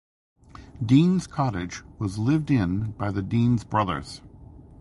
Deans Cottage was lived in by the Deans brothers.